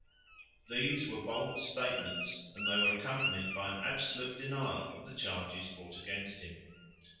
These were bold statements, and they were accompanied by an absolute denial of the charges brought against him.